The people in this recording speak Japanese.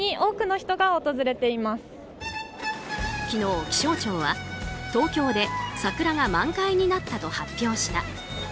昨日、気象庁は、東京で桜が満開になったと発表した。